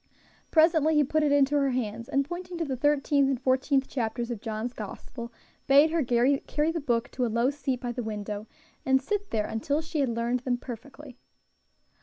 Presently he put it into her hands, and pointing to the thirteenth and fourteenth chapters of John's Gospel, bade her carry the book to a low seat by the window, and sit there until she had learned them perfectly.